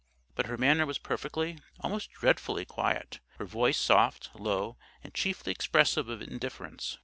But her manner was perfectly, almost dreadfully, quiet; her voice soft, low, and chiefly expressive of indifference.